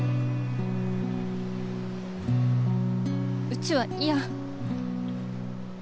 うちは嫌。